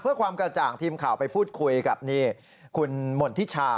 เพื่อความกระจ่างทีมข่าวไปพูดคุยกับคุณหม่นทิชา